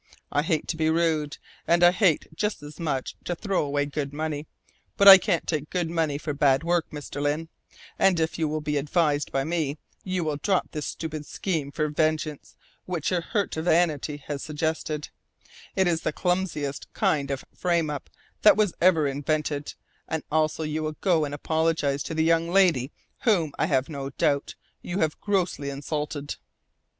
I hate to be rude, and I hate just as much to throw away good money. But I can't take good money for bad work, Mr. Lyne, and if you will be advised by me, you will drop this stupid scheme for vengeance which your hurt vanity has suggested it is the clumsiest kind of frame up that was ever invented and also you will go and apologise to the young lady, whom, I have no doubt, you have grossly insulted."